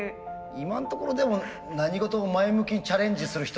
今んところでも何事も前向きにチャレンジする人の話だよね。